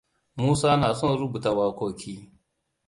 Musa na son rubuta wakoki.